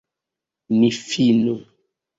Ni finu.